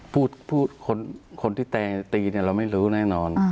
คนที่แตตีเนี่ยเราไม่รู้แน่นอน